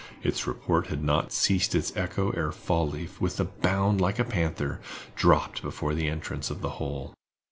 Its report had not ceased its echo ere Fall leaf, with a bound like a panther, dropped before the entrance of the hole.